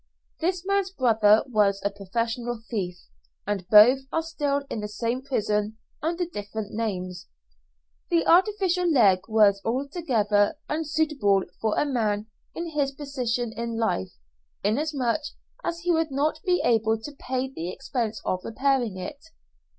This man's brother was a professional thief, and both are still in the same prison under different names. The artificial leg was altogether unsuitable for a man in his position in life, inasmuch as he would not be able to pay the expense of repairing it.